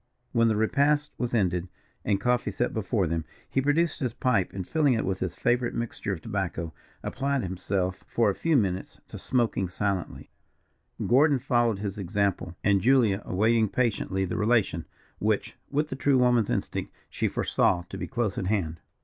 When the repast was ended, and coffee set before them, he produced his pipe, and filling it with his favourite mixture of tobacco, applied himself for a few minutes to smoking silently, Gordon following his example, and Julia awaiting patiently the relation, which, with the true woman's instinct, she foresaw to be close at hand.